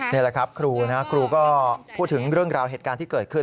นี่แหละครับครูนะครูก็พูดถึงเรื่องราวเหตุการณ์ที่เกิดขึ้น